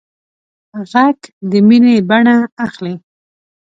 غږ د مینې بڼه اخلي